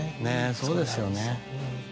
そうですよね。